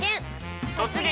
「突撃！